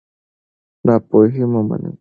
ناپوهي مه منئ.